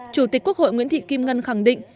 chủ tịch quốc hội nguyễn thị kim ngân khẳng định